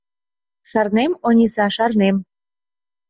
Шарнем, Ониса, шарнем.